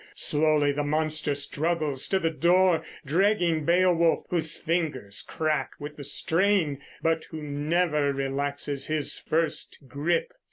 Slowly the monster struggles to the door, dragging Beowulf, whose fingers crack with the strain, but who never relaxes his first grip.